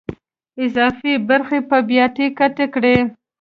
اضافي برخې په بیاتي قطع کړئ.